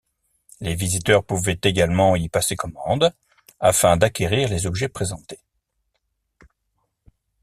Les visiteurs pouvaient également y passer commande afin d’acquérir les objets présentés.